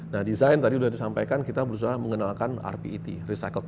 nah desain tadi sudah disampaikan kita berusaha mengenalkan rpet recycle